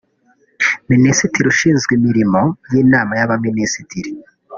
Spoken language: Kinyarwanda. Minisitiri Ushinzwe Imirimo y’Inama y’abaminisitiri